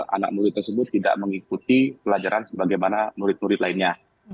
anak murid tersebut tidak mengikuti pelajaran sebagaimana murid murid lainnya